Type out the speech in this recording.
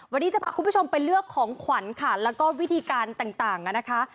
วันนี้จะพาคุณผู้ชมไปเลือกของขวัญค่ะแล้วก็วิธีการต่างนะคะ